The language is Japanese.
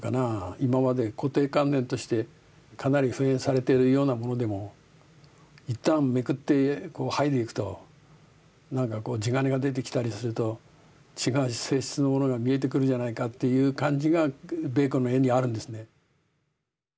今まで固定観念としてかなり普遍されてるようなものでも一旦めくって剥いでいくとなんかこう地金が出てきたりすると違う性質のものが見えてくるじゃないかっていう感じがベーコンの絵にはあるんですね。